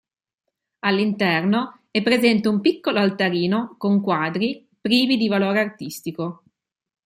All'interno è presente un piccolo altarino con quadri, privi di valore artistico.